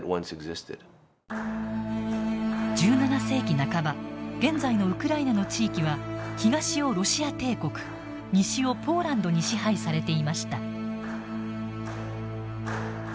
１７世紀半ば現在のウクライナの地域は東をロシア帝国西をポーランドに支配されていました。